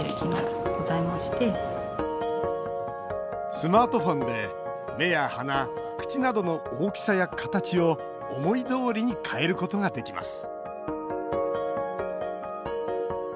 スマートフォンで目や鼻口などの大きさや形を思いどおりに変えることができます